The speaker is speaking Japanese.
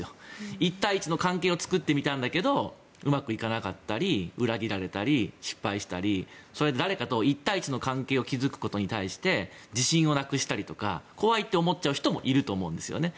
１対１の関係を作ってみたんだけどうまくいかなかったり裏切られたり失敗したりそうやって誰かと１対１の関係を築くことによって自信をなくしたりとか怖いと思っちゃう人もいると思うんですよね。